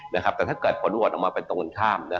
แต่ถ้าเกิดผลโหวตออกมาเป็นตรงกันข้าม